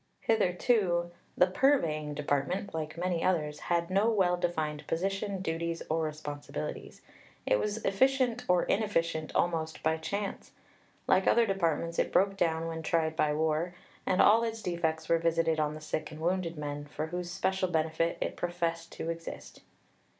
Hitherto "the Purveying Department, like many others, had no well defined position, duties, or responsibilities. It was efficient or inefficient almost by chance. Like other departments, it broke down when tried by war; and all its defects were visited on the sick and wounded men, for whose special benefit it professed to exist."